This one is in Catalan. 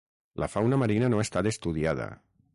La fauna marina no ha estat estudiada.